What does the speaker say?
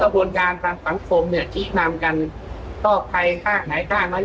กระบวนการกระบวนการฝังภงเนี่ยชี้ทำกันก็ไปทำไหนแล้วกัน